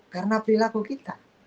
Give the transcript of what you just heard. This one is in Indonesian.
karena perilaku kita